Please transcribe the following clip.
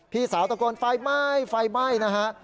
พี่สาวตะโกนไฟไหม้ไฟไหม้นะฮะ